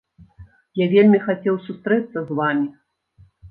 Я вельмі хацеў сустрэцца з вамі.